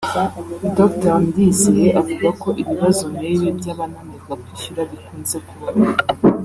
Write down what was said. Dr Ndizeye avuga ko ibibazo nk’ibi by’abananirwa kwishyura bikunze kubaho